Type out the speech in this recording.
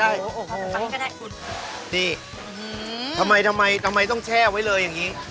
เอาใหม่ไปใกล้คุณนี่ทำไมทำไมทำไมต้องแช่ไว้เลยอย่างนี้